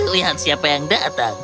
lihat siapa yang datang